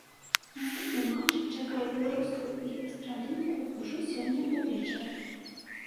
Наступны матч чакае беларуску і аўстралійку ўжо сёння ўвечары.